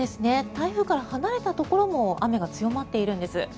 台風から離れたところも雨が強まっているんです。